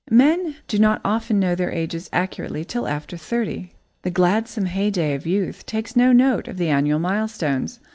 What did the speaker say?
Men do not often know their ages accurately till after thirty. The gladsome heyday of youth takes no note of the annual milestones.